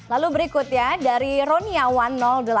lalu berikutnya dari roniawan delapan